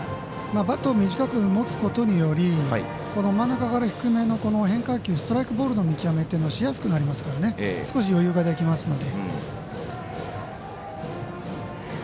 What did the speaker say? バットを短く持つことにより真ん中から低めの変化球ストライク、ボールの見極めしやすくなりますから少し余裕ができますので。